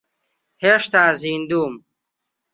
هێشتا زیندووم.